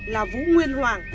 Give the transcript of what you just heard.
là vũ nguyên hoàng